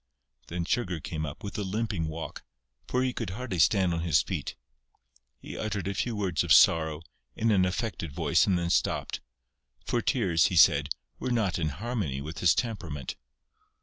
Then Sugar came up, with a limping walk, for he could hardly stand on his feet. He uttered a few words of sorrow, in an affected voice and then stopped, for tears, he said, were not in harmony with his temperament.